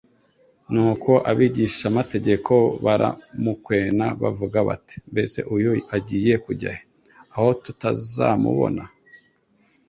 Nuko abigishamategeko baramukwena bavuga bati: -Mbese uyu agiye kujya he, aho tutazamubona.